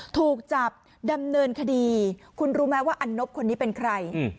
ถูกจับดำเนินคดีคุณรู้ไหมว่าอันนบคนนี้เป็นใคร